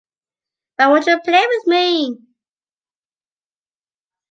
Why won’t you play with me?